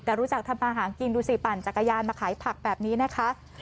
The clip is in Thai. อาหารกินดูสิปั่นจักรยานมาขายผักแบบนี้นะคะ